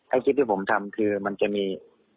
คลิปที่ผมทำคือมันจะมี